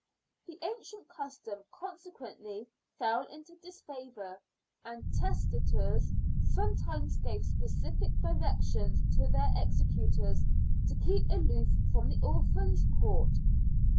The ancient custom consequently fell into disfavour, and testators sometimes gave specific directions to their executors to keep aloof from the orphans' court.